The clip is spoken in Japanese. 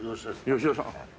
吉田さん。